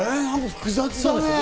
複雑だね。